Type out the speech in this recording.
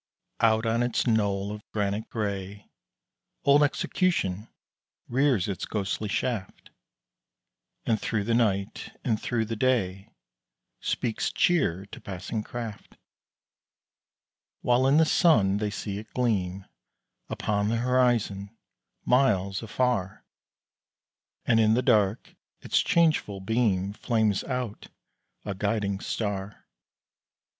Out on its knoll of granite gray, Old Execution rears its ghostly shaft, And thro' the night and thro' the day Speaks cheer to passing craft; While in the sun they see it gleam Upon the horizon, miles afar, And in the dark its changeful beam Flames out a guiding star.